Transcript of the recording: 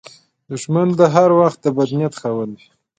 دښمن هر وخت د بد نیت خاوند وي